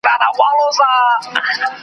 کله کله د دې لپاره لیکل کیږي .